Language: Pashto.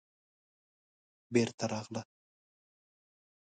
بېرته راغله.